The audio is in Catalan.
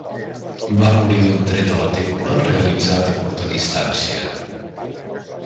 Va morir d'un tret a la templa realitzat a curta distància.